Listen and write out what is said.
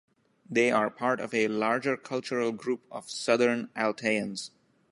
They are part of a larger cultural group of Southern Altaians.